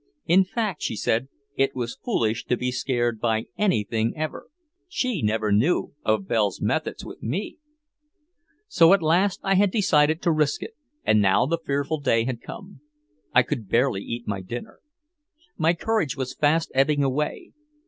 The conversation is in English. In fact, she said, it was foolish to be scared by anything ever. She never knew of Belle's methods with me. So at last I had decided to risk it, and now the fearful day had come. I could barely eat my dinner. My courage was fast ebbing away.